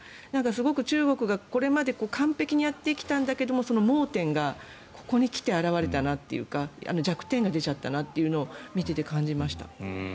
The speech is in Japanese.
すごく中国がこれまで完璧にやっていたんだけども盲点がここに来て表れたなというか弱点が出ちゃったなというのを見ていて感じました。